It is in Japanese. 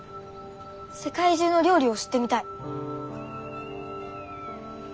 世界中の料理を知ってみたい。